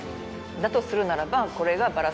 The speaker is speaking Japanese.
だとするならばこれが。